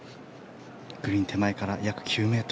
グリーン手前から約９ｍ。